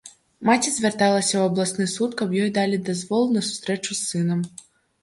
Маці звярталася ў абласны суд, каб ёй далі дазвол на сустрэчу з сынам.